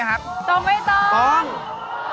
ต้องทำเป็นสามกษัตริย์นะ